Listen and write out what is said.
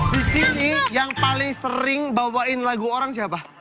di sini yang paling sering bawain lagu orang siapa